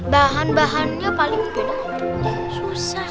bahan bahannya paling beda ngapain